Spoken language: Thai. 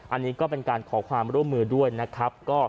อันนี้ก็เป็นการขอความร่วมมือด้วยนะครับ